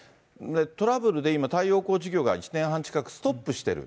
トラブルで今、太陽光事業が１年半近くストップしている。